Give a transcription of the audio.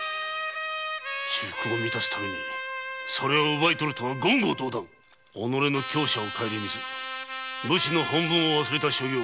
私腹を満たすためそれを奪い取るとは言語道断己の驕奢を省みず武士の本分を忘れた所業